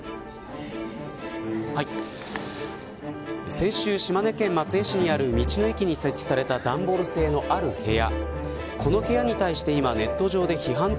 先週、島根県松江市にある道の駅に設置された段ボール製のある部屋。